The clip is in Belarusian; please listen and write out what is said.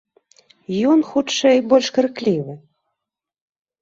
Ён, хутчэй, больш крыклівы.